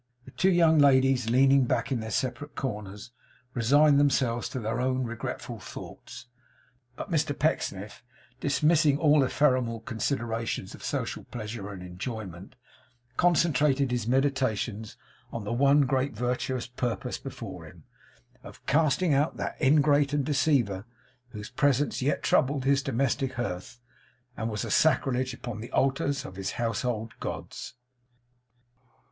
The two young ladies, leaning back in their separate corners, resigned themselves to their own regretful thoughts. But Mr Pecksniff, dismissing all ephemeral considerations of social pleasure and enjoyment, concentrated his meditations on the one great virtuous purpose before him, of casting out that ingrate and deceiver, whose presence yet troubled his domestic hearth, and was a sacrilege upon the altars of his household gods.